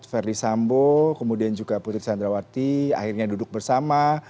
verdi sambo kemudian juga putri candrawati akhirnya duduk bersama